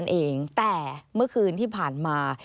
นั่นเองแต่เมื่อคืนที่ผ่านมา